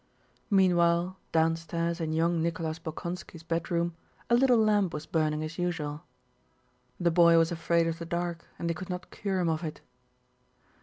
Meanwhile downstairs in young Nicholas Bolkónski's bedroom a little lamp was burning as usual. (The boy was afraid of the dark and they could not cure him of it.)